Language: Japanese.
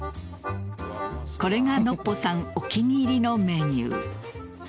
これがノッポさんお気に入りのメニュー。